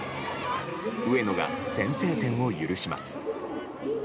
上野が先制点を許します。